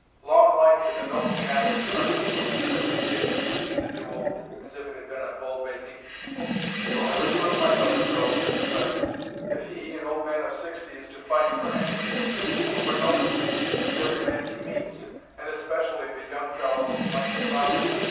"Long life to the noble Captain!" cried the soldiers, as impatient to see the duel, as if it had been a bull baiting. "He will have a short life of it, though," said the sergeant, "if he, an old man of sixty, is to fight, for any reason, or for no reason, with every man he meets, and especially the young fellows he might be father to.